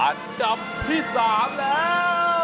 อันดับที่๓แล้ว